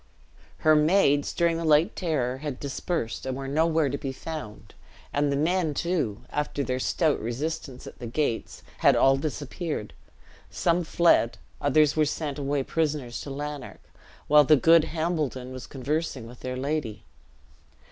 Her maids, during the late terror, had dispersed, and were nowhere to be found; and the men, too, after their stout resistance at the gates, had all disappeared; some fled others were sent away prisoners to Lanark, while the good Hambledon was conversing with their lady.